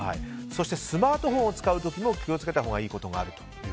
スマートフォンを使う時も気を付けたほうがいいことがあると。